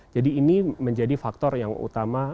jadi ini menjadi faktor yang utama